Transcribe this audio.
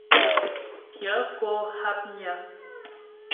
Pyə̂ kó hápnyə́.